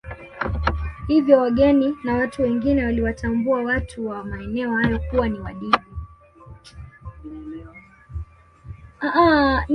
Hivyo wageni na watu wengine waliwatambua watu wa maeneo hayo kuwa ni Wadigo